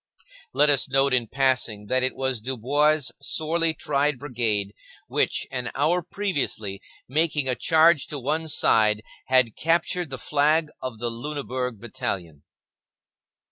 Let us note in passing that it was Dubois's sorely tried brigade which, an hour previously, making a charge to one side, had captured the flag of the Lunenburg battalion.